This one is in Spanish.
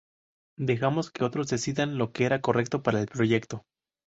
Dejamos que otros decidan lo que era correcto para el proyecto.".